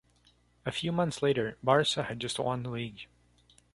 A few months earlier, Barça had just won the league.